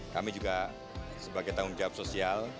kami juga sebagai tanggung jawab sosial